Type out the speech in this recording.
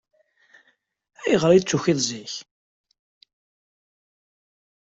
Ayɣer ay d-tukiḍ zik?